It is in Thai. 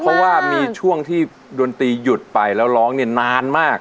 เพราะว่ามีช่วงที่ดนตรีหยุดไปแล้วร้องเนี่ยนานมาก